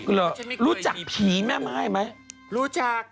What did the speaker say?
คุณเหรอรู้จักผีแม่ม่ายไหมรู้จักแม่ม่ายรู้จัก